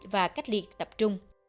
và cách ly tập trung